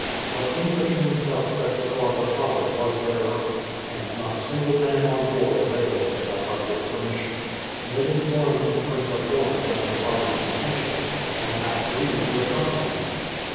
But Englishmen felt that the cause of Holland was their own, and not a single man on board availed himself of this permission. Ned informed the Prince of Orange of his father's intention, and asked leave to accompany him.